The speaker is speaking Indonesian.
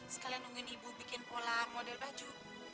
sekalian nungguin ibu bikin pola model baju